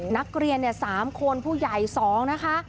นักเรียน๓คนผู้ใหญ่๒นะคะ